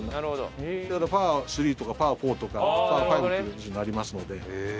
だからパー３とかパー４とかパー５という感じになりますので。